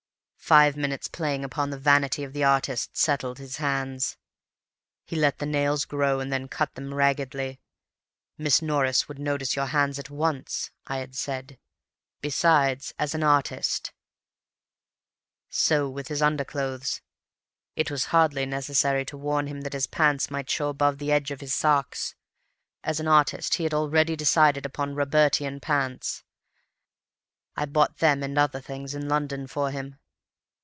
Five minutes playing upon the vanity of the artist settled his hands. He let the nails grow and then cut them raggedly. 'Miss Norris would notice your hands at once,' I had said. 'Besides, as an artist—' "So with his underclothes. It was hardly necessary to warn him that his pants might show above the edge of his socks; as an artist he had already decided upon Robertian pants. I bought them, and other things, in London for him.